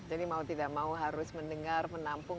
jadi mau tidak mau harus mendengar menampung